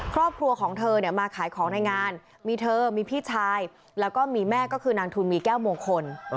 ครอบครัวของเธอเนี่ยมาขายของในงานมีเธอมีพี่ชายแล้วก็มีแม่ก็คือนางทุนมีแก้วมงคล